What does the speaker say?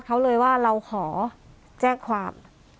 เขาเลยว่าเราขอแจ้งความ